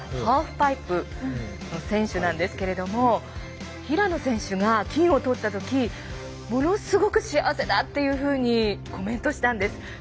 ハーフパイプの選手なんですけど平野選手が金をとったとき「ものすごく幸せだ！」っていうふうにコメントしたんです。